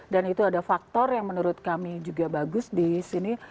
dan itu ada faktor yang menurut kami juga bagus di sini